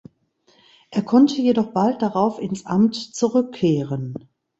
Er konnte jedoch bald darauf ins Amt zurückkehren.